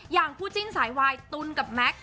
อย่างคู่จิ้นสายวายตุลกับแม็กซ